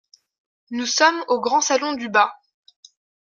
Nous sommes au grand salon du bas.